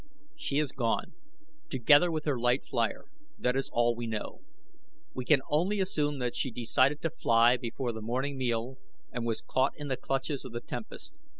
"She is gone, together with her light flier. That is all we know. We can only assume that she decided to fly before the morning meal and was caught in the clutches of the tempest.